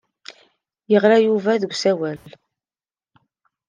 Yeɣra-d Yuba deg usawal.